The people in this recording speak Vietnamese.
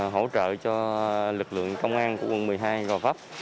hỗ trợ cho lực lượng công an của quận một mươi hai gò vấp